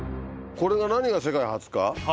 これが何が世界初か？